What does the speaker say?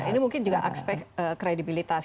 ini mungkin juga aspek kredibilitas